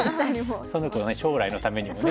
その子の将来のためにもね。